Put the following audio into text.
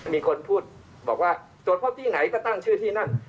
มีคนพูดบอกว่าตรวจพบที่ไหนก็ตั้งชื่อที่นั่น